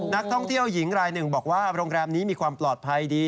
นักท่องเที่ยวหญิงรายหนึ่งบอกว่าโรงแรมนี้มีความปลอดภัยดี